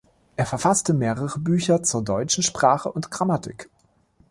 Er verfasste mehrere Bücher zur deutschen Sprache und Grammatik.